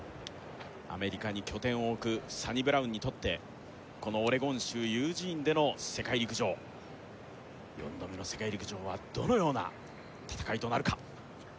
アメリカに拠点を置くサニブラウンにとってこのオレゴン州ユージーンでの世界陸上４度目の世界陸上はどのような戦いとなるか？